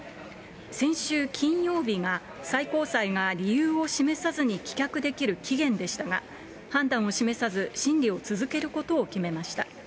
先週金曜日が最高裁が理由を示さずに棄却できる期限でしたが、判断を示さず、審理を続けることを決めました。